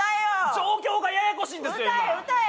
状況がややこしいんですよ